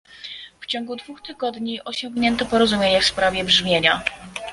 W ciągu dwóch tygodni osiągnięto porozumienie w sprawie brzmienia